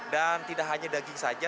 dan tidak hanya daging saja